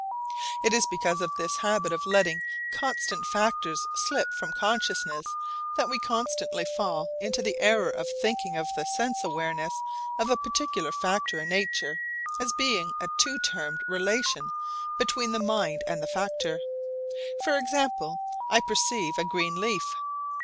It is because of this habit of letting constant factors slip from consciousness that we constantly fall into the error of thinking of the sense awareness of a particular factor in nature as being a two termed relation between the mind and the factor. For example, I perceive a green leaf.